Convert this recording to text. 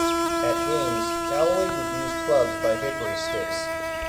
At games, Callaway would use clubs by Hickory Sticks.